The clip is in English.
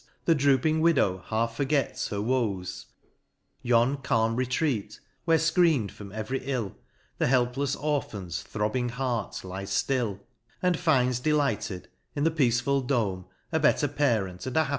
The drooping widow half forgets her woes : f — Yon calm retreat, where fcreen'd from every ill, The helplefs orphan's throbbing heart lies flill ;:^ And finds delighted, in the peaceful dome, A better parent, and a happier home.